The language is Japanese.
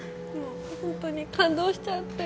本当に感動しちゃって。